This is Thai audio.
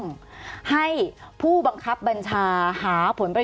สวัสดีครับทุกคน